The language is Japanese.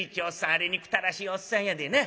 あれ憎たらしいおっさんやでな。